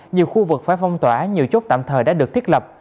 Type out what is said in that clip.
nhiều khu vực phải phong tỏa nhiều chốt tạm thời đã được thiết lập